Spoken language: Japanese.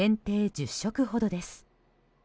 １０食ほどです。